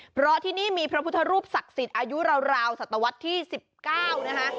เพราะที่นี่มีพระพุทธรูปศักดิ์สิทธิ์อายุราวสัตวรรษที่๑๙นะคะ